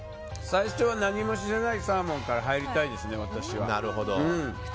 最初は何も知らないサーモンから入りたいですね、私は。